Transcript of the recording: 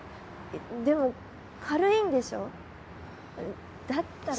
でも軽いんでしょ？だったら。